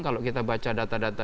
kalau kita baca data data